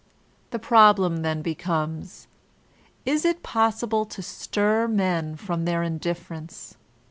The problem then becomes. Is it possible to stir men from their indifference